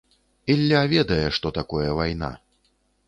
Ілля ведае, што такое вайна.